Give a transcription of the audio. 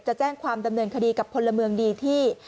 จะแจ้งความดำเนินคดีกับพลเมืองดีที่